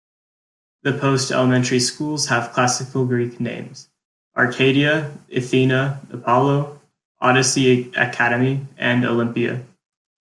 The post-elementary schools have Classical Greek names: Arcadia, Athena, Apollo, Odyssey Academy, and Olympia.